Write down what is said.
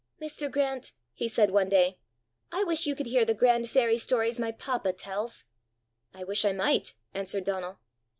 "Mr. Grant," he said one day, "I wish you could hear the grand fairy stories my papa tells!" "I wish I might!" answered Donal.